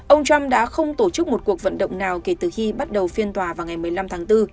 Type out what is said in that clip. ông trump đã không tổ chức một cuộc vận động nào kể từ khi bắt đầu phiên tòa vào ngày một mươi năm tháng bốn